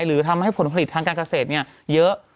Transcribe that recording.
หรือทำให้ผลผลิตทางการเกษตรเยอะ